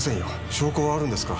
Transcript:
証拠はあるんですか？